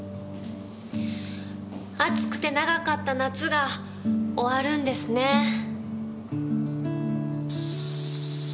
暑くて長かった夏が終わるんですねぇ。